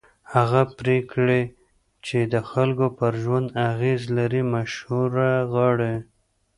هغه پرېکړې چې د خلکو پر ژوند اغېز لري مشوره غواړي